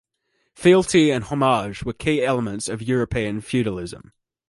Fealty and homage were key elements of European feudalism.